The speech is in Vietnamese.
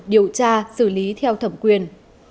điều tra xử lý theo thẩm quyền